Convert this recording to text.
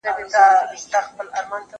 په يوه ګل نه پسرلی کېږي!